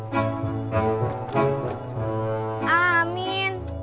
kamu mau berlian